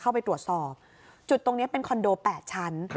เข้าไปตรวจสอบจุดตรงนี้เป็นคอนโด๘ชั้น